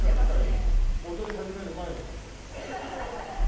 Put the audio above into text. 踊り始める前の格好だ。